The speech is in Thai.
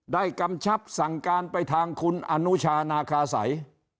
กำชับสั่งการไปทางคุณอนุชานาคาสัย